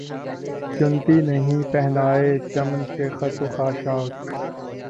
چنتی نہیں پہنائے چمن سے خس و خاشاک